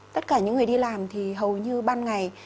tất cả những người đi làm thì hầu như ban ngày